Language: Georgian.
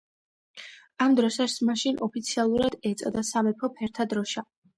ამ დროშას მაშინ ოფიციალურად ეწოდა „სამეფო ფერთა დროშა“.